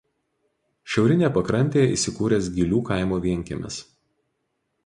Šiaurinėje pakrantėje įsikūręs Gylių kaimo vienkiemis.